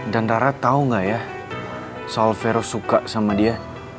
dan rara tau gak ya soal vero suka sama dia